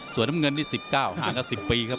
ส่วนน้ำเงินนี่๑๙ผ่านมา๑๐ปีครับ